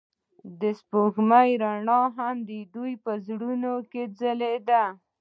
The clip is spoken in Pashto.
د سپوږمۍ رڼا هم د دوی په زړونو کې ځلېده.